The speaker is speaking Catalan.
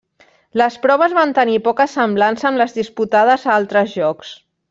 Les proves van tenir poca semblança amb les disputades a altres jocs.